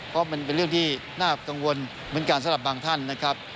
เพราะมันเป็นเรื่องที่น่ากังวลเหมือนกันสำหรับบางท่านนะครับ